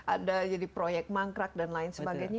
ada jadi proyek mangkrak dan lain sebagainya